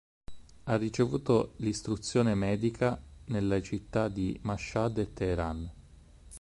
Ha ricevuto l’istruzione medica nelle città di Mashhad e Teheran.